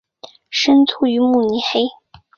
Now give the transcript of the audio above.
生卒于慕尼黑。